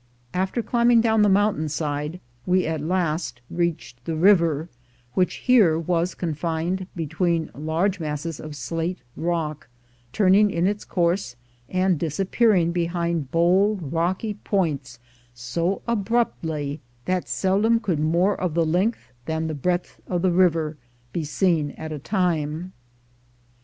After climbing down the mountain side, we at last reached the river, which here was confined bet^veen huge masses of slate rock, turning in its course, and disappearing behind bold rocky points so abruptly, that seldom could more of the length than the breadth of the river be seen at a time.